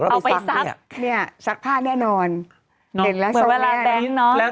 เอาไปซักเนี่ยซักผ้าแน่นอนเหมือนเวลาแต่นิดเนอะปั่นเลยแหละ